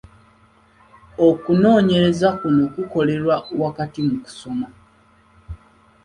Okunoonyereza kuno kukolerwa wakati mu kusoma.